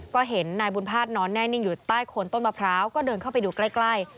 ก็เห็นนายบุญภาษณนอนแน่นิ่งอยู่ใต้โคนต้นมะพร้าวก็เดินเข้าไปดูใกล้